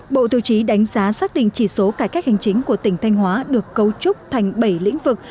bộ tiêu chí đánh giá xác định chỉ số cải cách hành chính của tỉnh thanh hóa được cấu trúc thành bảy lĩnh vực